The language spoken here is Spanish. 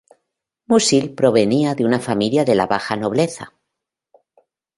Musil provenía de una familia de la baja nobleza.